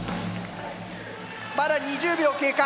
まだ２０秒経過。